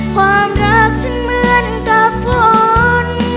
ความรักฉันเหมือนกับฝน